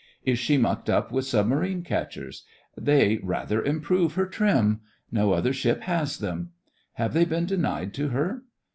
Is she mucked up with submarine catchers.'' They rather improve her trim. No other ship has them. Have they been denied to her?